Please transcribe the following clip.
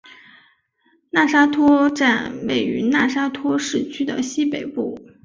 讷沙托站位于讷沙托市区的西北部。